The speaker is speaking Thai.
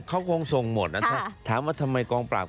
เขาคงส่งหมดนะถ้าถามว่าทำไมกองปราบ